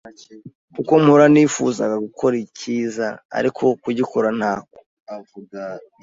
kuko mpora nifuza gukora icyiza, ariko kugikora ntako